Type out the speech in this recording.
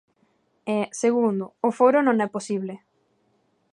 E, segundo, o Foro non é posible.